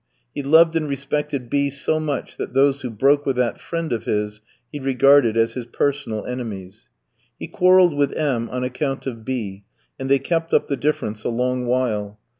He loved and respected B ski so much that those who broke with that friend of his he regarded as his personal enemies. He quarrelled with M tski on account of B ski, and they kept up the difference a long while.